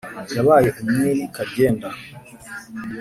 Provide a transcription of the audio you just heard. yabaye umwiri karyenda.